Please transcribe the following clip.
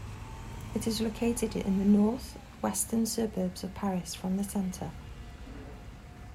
It is located in the north-western suburbs of Paris from the center.